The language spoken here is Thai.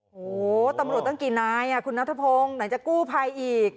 โหตำรวจตั้งกี่นายคุณนัทพงศ์ไหนจะกู้ภัยอีก